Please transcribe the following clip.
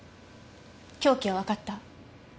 凶器はわかった？